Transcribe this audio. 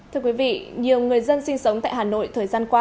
thưa quý vị nhiều người dân sinh sống tại hà nội thời gian qua